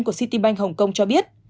của citibank hồng kông cho biết